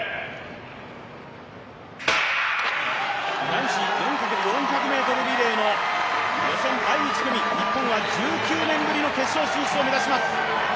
男子４×４００ｍリレーの第１組、日本は１９年ぶりの決勝進出を目指します。